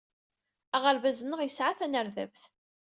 Aɣerbaz-nneɣ yesɛa tanerdabt.